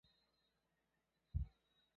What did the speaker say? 鸡眼藤为茜草科巴戟天属下的一个种。